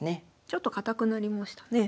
ちょっと堅くなりましたね。